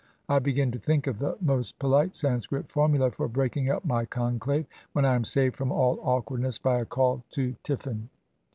I begin to think of the most polite Sanskrit formula for breaking up my conclave, when I am saved from all awkwardness by a call to tiffin.